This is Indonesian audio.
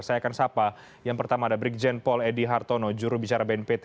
saya akan sapa yang pertama ada brigjen paul edy hartono juru bicara bnpt